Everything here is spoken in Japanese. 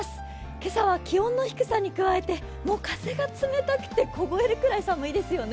今朝は気温の低さに加えて、風が冷たくて凍えるぐらい寒いですよね。